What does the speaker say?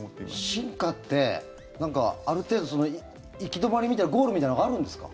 進化ってなんかある程度、行き止まりみたいなゴールみたいのがあるんですか？